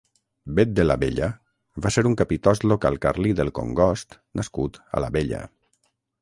Bet de l'Abella va ser un capitost local carlí del Congost nascut a l'Abella.